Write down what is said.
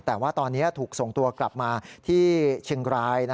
แต่ว่าตอนนี้ถูกส่งตัวกลับมาที่เชียงราย